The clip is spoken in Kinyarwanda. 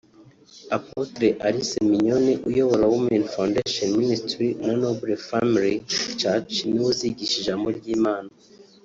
Apotre Alice Mignonne uyobora Women Foundation Ministries na Noble Family church ni we uzigisha ijambo ry'Imana